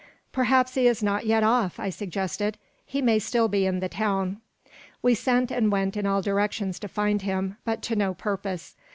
"Perhaps he is not off yet," I suggested. "He may still be in the town." We sent and went in all directions to find him, but to no purpose.